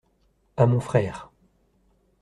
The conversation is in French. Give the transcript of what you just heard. À mon frère.